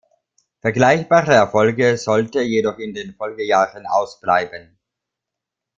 Vergleichbare Erfolge sollte jedoch in den Folgejahren ausbleiben.